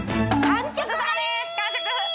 完食！